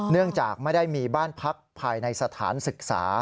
เนื่องจากไม่ได้มีบ้านพักภายในสถานศึกษา